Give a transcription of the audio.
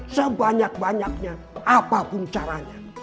sebanyak banyaknya apapun caranya